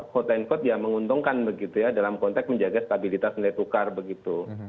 quote unquote ya menguntungkan begitu ya dalam konteks menjaga stabilitas nilai tukar begitu